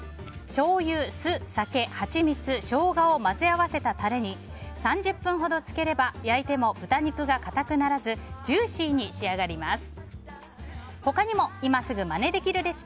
しょうゆ、酢、酒、ハチミツショウガを混ぜ合わせたタレに３０分ほど漬ければ焼いても豚肉がかたくならずジューシーに仕上がります！